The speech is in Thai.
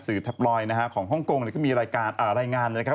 แท็ปลอยนะฮะของฮ่องกงก็มีรายงานนะครับ